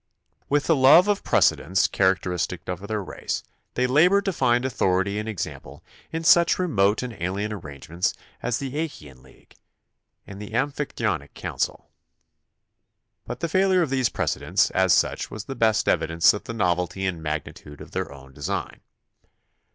With the love of precedents char acteristic of their race they labored to find authority and example in such remote and alien arrangements as the Achean League and the Amphictyonic Council, but the failure of these precedents as such was the best evidence of the novelty and magnitude of their own design.